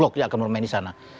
loki akan bermain di sana